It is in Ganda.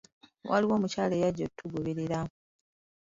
Waliwo omukyala eyajja atugoberera.